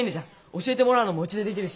教えてもらうのもうちでできるしな。